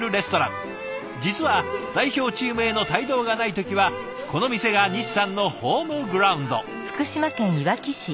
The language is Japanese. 実は代表チームへの帯同がない時はこの店が西さんのホームグラウンド。